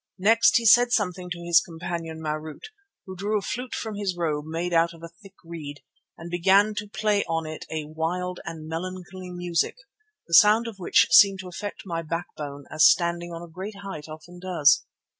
Next he said something to his companion, Marût, who drew a flute from his robe made out of a thick reed, and began to play on it a wild and melancholy music, the sound of which seemed to affect my backbone as standing on a great height often does.